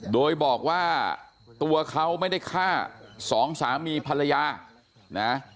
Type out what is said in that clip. โดยบอกว่าตัวเขาไม่ได้ฆ่าสองสามีภรรยานะ